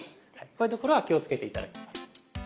こういうところは気をつけて頂きます。